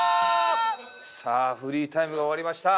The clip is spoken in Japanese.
さあフリータイムが終わりました。